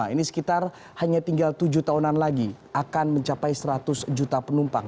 ini sekitar hanya tinggal tujuh tahunan lagi akan mencapai seratus juta penumpang